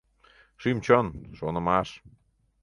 Шӱм-чон, шонымаш...